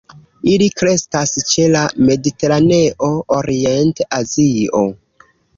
Ili kreskas ĉe la Mediteraneo, Orient-Azio.